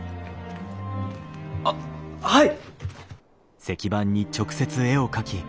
あっはい！